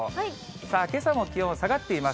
さあ、けさの気温、下がっています。